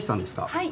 はい。